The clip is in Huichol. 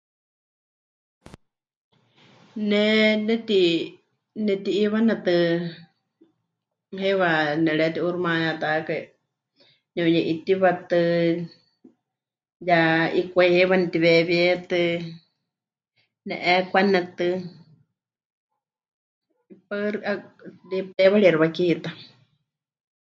Ne neti... neti'iiwanetɨ heiwa nepɨreti'uuximayátakai, ne'uye'itiwatɨ ya 'ikwai heiwa netiweewíetɨ, ne'eekwanetɨ. Paɨ, xɨ..., 'a... de... teiwarixi wakiitá.